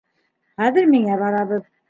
Хәҙер миңә барабыҙ.